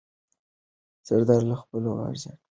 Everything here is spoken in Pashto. سردار له خپلو غازیانو سره ځارلې.